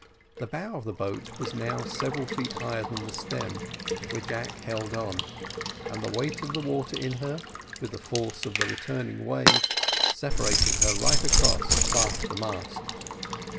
The bow of the boat was now several feet higher than the stern, where Jack held on; and the weight of the water in her, with the force of the returning waves, separated her right across abaft the mast.